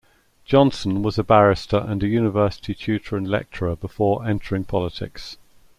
Johnson was a barrister and a university tutor and lecturer before entering politics.